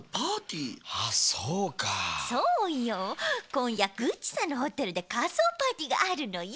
こんやグッチさんのホテルでかそうパーティーがあるのよ。